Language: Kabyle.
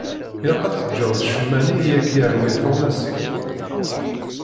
Ilaq ad teǧǧeḍ ccemma-nni i ak-yerwin tuɣmas-ik.